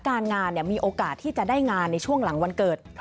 งานมีโอกาสที่จะได้งานในช่วงหลังวันเกิด